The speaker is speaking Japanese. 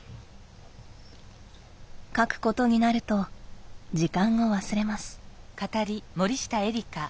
書くことになると時間を忘れます。